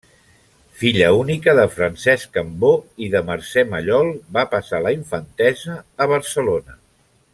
Filla única de Francesc Cambó i de Mercè Mallol, va passar la infantesa a Barcelona.